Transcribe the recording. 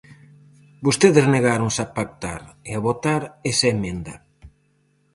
Vostedes negáronse a pactar e a votar esa emenda.